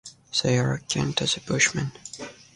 They are akin to the Bushmen.